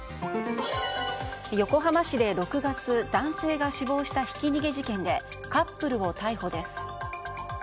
横浜市で６月男性が死亡したひき逃げ事件でカップルを逮捕です。